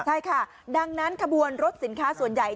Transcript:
ใช่ค่ะดังนั้นขบวนรถสินค้าส่วนใหญ่